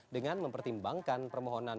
dengan mempertimbangkan permohonan